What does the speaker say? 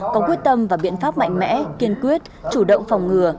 có quyết tâm và biện pháp mạnh mẽ kiên quyết chủ động phòng ngừa